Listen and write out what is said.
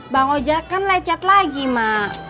bang ojek kan lecet lagi mak